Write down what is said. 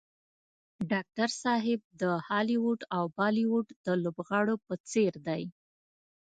ډاکټر صاحب د هالیوډ او بالیوډ د لوبغاړو په څېر دی.